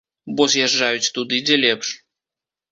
Бо з'язджаюць туды, дзе лепш.